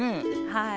はい。